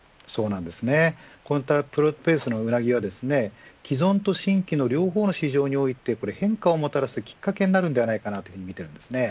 こういったプラントベースのうなぎが既存と新規の両方の市場において変化をもたらすきっかけになると思います。